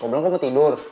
kalo belum kau mau tidur